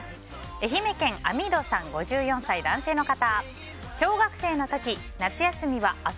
愛媛県、５４歳男性の方。